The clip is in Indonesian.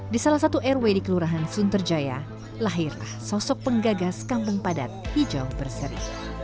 di salah satu rw di kelurahan sunterjaya lahirlah sosok penggagas kampung padat hijau berseri